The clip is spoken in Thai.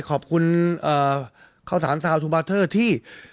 ขอบคุณเข้าสถานทราบทูบาเทอร์ที่